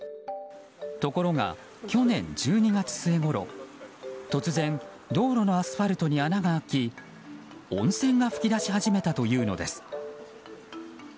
ところが去年１２月ごろ突然、道路のアスファルトに穴が開き、温泉が噴き出し始めたというのです。